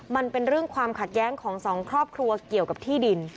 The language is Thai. มันเป็นเรื่องความขัดแย้งของสองครอบครัวเกี่ยวกับที่ดิน